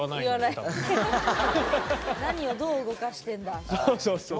何をどう動かしてんだしか。